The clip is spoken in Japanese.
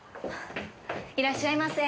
いらっしゃいませ。